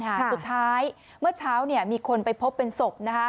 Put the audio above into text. สุดท้ายเมื่อเช้ามีคนไปพบเป็นศพ